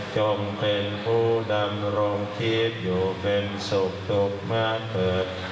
จมเป็นผู้ดำรงทีบอยู่เป็นศุภดบม้าเผิร์ด